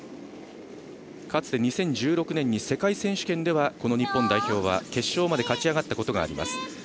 かつて２０１６年に世界選手権ではこの日本代表は決勝まで勝ち上がったことがあります。